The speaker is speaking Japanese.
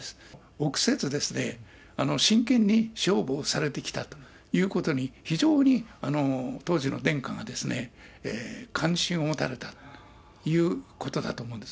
臆せず、真剣に勝負をされてきたということに、非常に当時の殿下が関心を持たれたということだと思うんです。